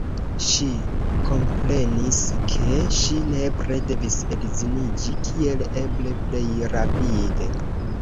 Ŝi komprenis, ke ŝi nepre devis edziniĝi kiel eble plej rapide.